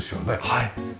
はい。